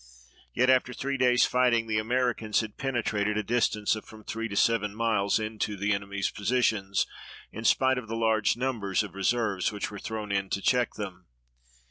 Yet after three days' fighting the Americans had penetrated a distance of from three to seven miles into the enemy's positions, in spite of the large numbers of reserves which were thrown in to check them.